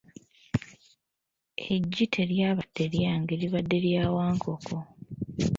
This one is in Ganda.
Eggi teryabadde lyange libadde lya Wankoko,